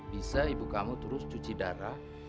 bisa ibu kamu terus cuci darah